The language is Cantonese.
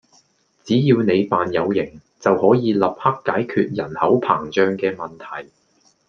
只要你扮有型，就可以立刻解決人口膨脹嘅問題